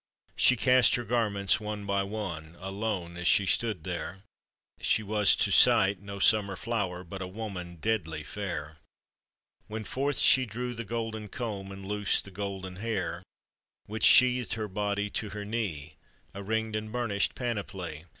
She cast her garments one bv one, Alone as she stood there; She was to sight no summer flower But a woman deadly fair, When forth she drew the golden comb And loosed the golden hair Which sheathed her body to her knee,— A ringed and burnished panoplv.